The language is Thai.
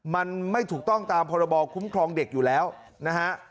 มันไม่ถูกต้องตามพรบคุ้มครองเด็กอยู่แล้วนะฮะ